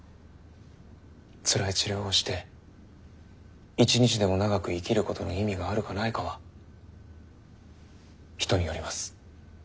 つらい治療をして一日でも長く生きることの意味があるかないかは人によります。